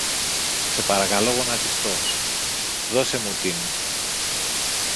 σε παρακαλώ γονατιστός, δώσε μου την